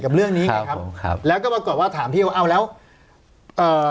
เรื่องนี้ไงครับครับแล้วก็ปรากฏว่าถามพี่ว่าเอาแล้วเอ่อ